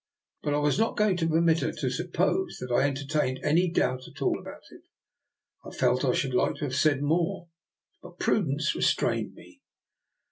But I was not going to permit her to suppose that I entertained any doubt at all about it. I felt I should like to have said more, but prudence restrained me.